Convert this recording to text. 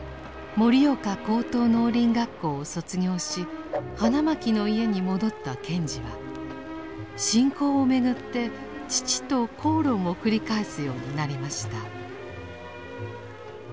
盛岡高等農林学校を卒業し花巻の家に戻った賢治は信仰をめぐって父と口論を繰り返すようになりました。